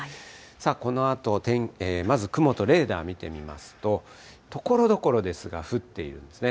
このあと、まず雲とレーダー見てみますと、ところどころですが、降っているんですね。